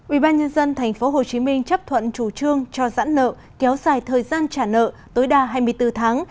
ubnd tp hcm chấp thuận chủ trương cho giãn nợ kéo dài thời gian trả nợ tối đa hai mươi bốn tháng